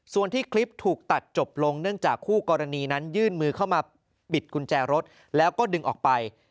ส่วนที่คลิปถูกตัดจบลงเนื่องจากคู่กรณีนั้นยื่นมือเข้ามาบิดกุญแจรถแล้วก็ดึงออกไป